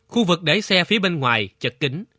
khu vực để xe phía bên ngoài chật kính